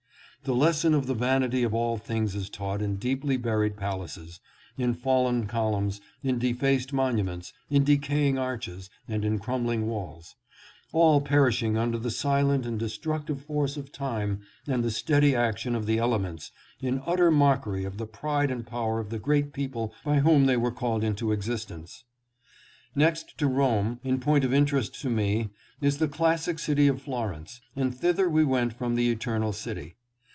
The lesson of the vanity of all things is taught in deeply buried palaces, in fallen columns, in defaced monuments, in decaying arches, and in crum bling walls ; all perishing under the silent and destruc tive force of time and the steady action of the elements, in utter mockery of the pride and power of the great people by whom they were called into existence. Next to Rome, in point of interest to me, is the clas sic city of Florence, and thither we went from the Eternal City.